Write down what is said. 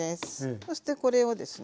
そしてこれをですね